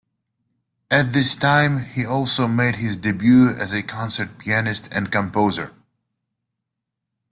At this time, he also made his debut as a concert pianist and composer.